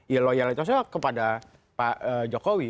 ya loyalitasnya kepada pak jokowi